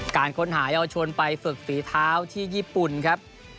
การค้นหายาวชนไปฝึกฝีเท้าที่ญี่ปุ่นครับ